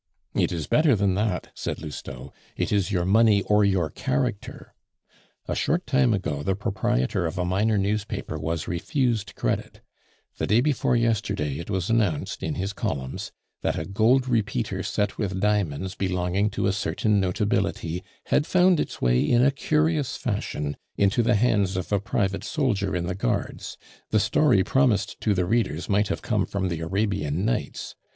"It is better than that," said Lousteau; "it is your money or your character. A short time ago the proprietor of a minor newspaper was refused credit. The day before yesterday it was announced in his columns that a gold repeater set with diamonds belonging to a certain notability had found its way in a curious fashion into the hands of a private soldier in the Guards; the story promised to the readers might have come from the Arabian Nights.